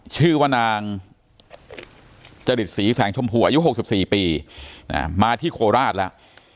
ชื่อว่านางจริตศรีแสงชมพูอายุ๖๔ปีมาที่โคราชแล้ว